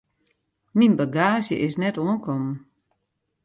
Myn bagaazje is net oankommen.